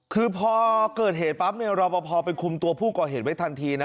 คือพอเกิดเหตุปั๊บเนี่ยรอปภไปคุมตัวผู้ก่อเหตุไว้ทันทีนะ